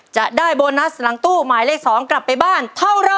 จะได้โบนัสหลังตู้หมายเลข๒กลับไปบ้านเท่าไร